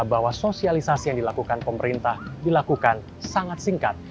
bahwa sosialisasi yang dilakukan pemerintah dilakukan sangat singkat